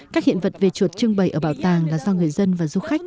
các hiện vật về chuột trưng bày ở bảo tàng là do người dân và du khách